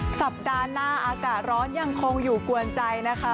สัปดาห์หน้าอากาศร้อนยังคงอยู่กวนใจนะคะ